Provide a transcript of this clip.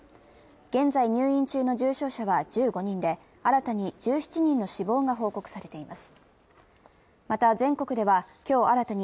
現在入院中の重症者は１５人で新たに１７人の死亡が報告されています。